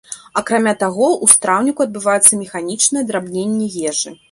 Акрамя таго, у страўніку адбываецца механічнае драбненне ежы.